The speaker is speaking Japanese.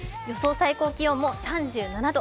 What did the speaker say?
最高気温も３７度。